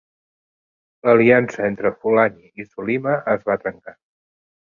L'aliança entre Fulani i Solima es va trencar.